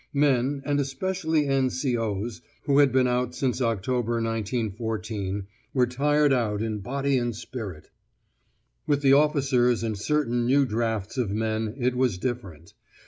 Men, and especially N.C.O.'s, who had been out since October, 1914, were tired out in body and spirit. With the officers and certain new drafts of men, it was different.